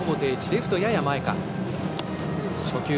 レフトはやや前か。